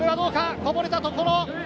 こぼれたところ。